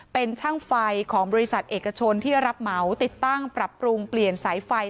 เป็นช่างไฟของบริษัทเอกชนที่รับเหมาติดตั้งปรับปรุงเปลี่ยนสายไฟ